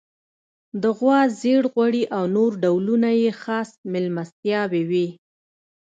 د غوا ژړ غوړي او نور ډولونه یې خاص میلمستیاوې وې.